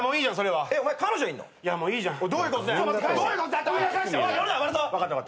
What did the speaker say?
もういいじゃん。